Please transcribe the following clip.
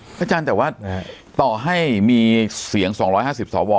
อาจารย์แต่ว่าต่อให้มีเสียง๒๕๐สว